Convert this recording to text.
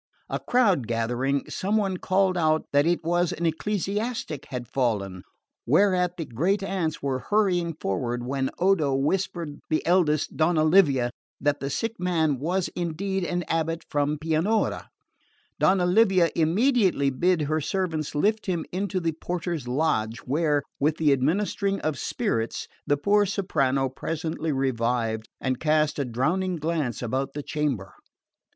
A crowd gathering, some one called out that it was an ecclesiastic had fallen; whereat the great aunts were hurrying forward when Odo whispered the eldest, Donna Livia, that the sick man was indeed an abate from Pianura. Donna Livia immediately bid her servants lift him into the porter's lodge, where, with the administering of spirits, the poor soprano presently revived and cast a drowning glance about the chamber.